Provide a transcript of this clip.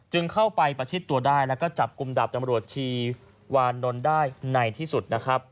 จึงเข้าไปประชิตตัวได้แล้วก็จัดกลุ่มดาบจำรวจชีวานดญได้ในที่สุด